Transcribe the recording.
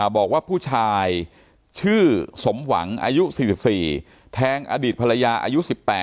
บอกว่าผู้ชายชื่อสมหวังอายุ๔๔แทงอดีตภรรยาอายุ๑๘